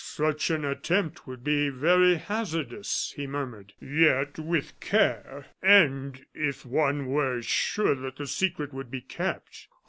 "Such an attempt would be very hazardous," he murmured; "yet, with care, and if one were sure that the secret would be kept " "Oh!